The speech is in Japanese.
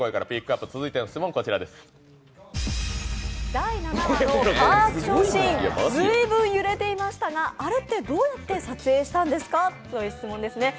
第７話のカーアクションシーン随分揺れていましたが、あれってどうやって撮影したんですか？という質問ですね。